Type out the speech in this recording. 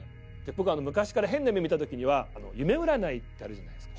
僕昔から変な夢見た時には夢占いってあるじゃないですか。